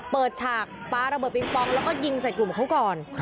ฉากปลาระเบิดปิงปองแล้วก็ยิงใส่กลุ่มเขาก่อน